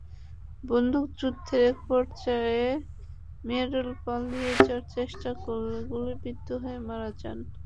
বন্দুকযুদ্ধের একপর্যায়ে মিয়ারুল পালিয়ে যাওয়ার চেষ্টা করলে গুলিবিদ্ধ হয়ে মারা যান।